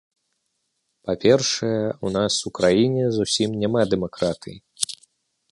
Па-першае, у нас у краіне зусім няма дэмакратыі.